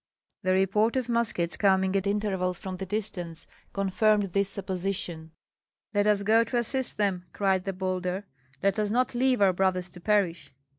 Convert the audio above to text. The report of muskets coming at intervals from the distance confirmed this supposition. "Let us go to assist them!" cried the bolder; "let us not leave our brothers to perish!"